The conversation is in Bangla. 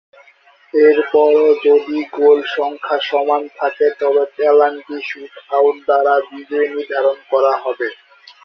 এরপরও যদি গোল সংখ্যা সমান থাকে তবে পেনাল্টি শুট-আউট দ্বারা বিজয়ী নির্ধারণ করা হবে।